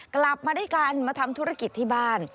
กลับมาด้วยกันมาทำธุรกิจที่บ้าน